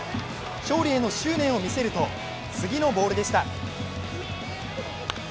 勝利への執念を見せると次のボールでした。